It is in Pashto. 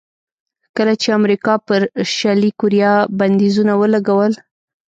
کله چې امریکا پر شلي کوریا بندیزونه ولګول.